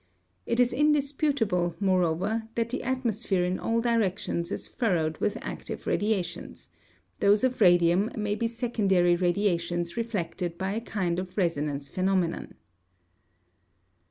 It is indisputable, moreover, that the atmosphere in all directions is furrowed with active radiations; those of radium may be secondary radiations reflected by a kind of resonance phenomenon.